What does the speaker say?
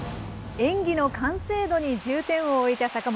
演技の完成度に重点を置いた坂本。